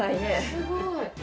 すごーい。